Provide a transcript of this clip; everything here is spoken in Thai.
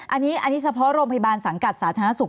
อันนี้เฉพาะโรงพยาบาลสังกัดสาธารณสุข